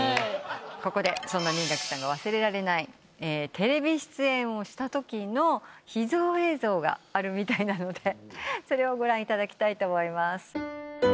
ここでそんな新垣さんが忘れられないテレビ出演をしたときの秘蔵映像があるみたいなのでそれをご覧いただきたいと思います。